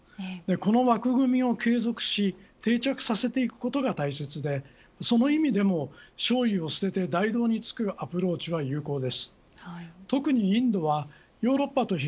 この枠組みを継続し定着させていくことが大切でその意味でも小異を捨てて大同につくアプローチは有効です。